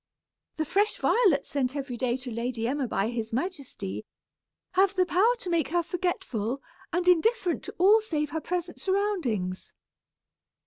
The fresh violets sent every day to Lady Emma by his majesty, have the power to make her forgetful, and indifferent to all save her present surroundings."